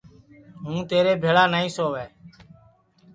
ہوں تیرے بھیݪا نائی سؤے